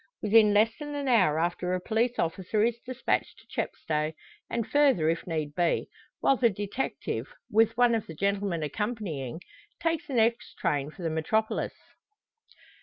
Within less than a hour after a police officer is despatched to Chepstow, and further if need be; while the detective, with one of the gentlemen accompanying, takes the next train for the metropolis.